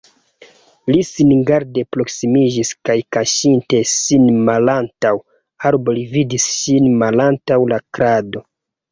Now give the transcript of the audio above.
Li singarde proksimiĝis kaj kaŝinte sin malantaŭ arbo li vidis ŝin malantaŭ la krado.